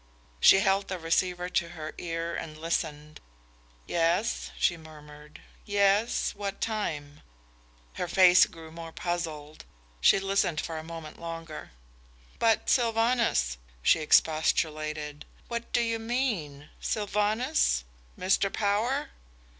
She held the receiver to her ear and listened. "Yes?" she murmured. "Yes?... At what time?" Her face grew more puzzled. She listened for a moment longer. "But, Sylvanus," she expostulated, "what do you mean?... Sylvanus?... Mr. Power?"